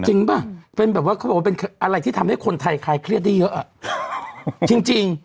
จริงป่ะเขาบอกว่าเป็นอะไรที่ทำให้คนไทยขายเครียดได้เยอะจริง